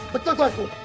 betul tuan ku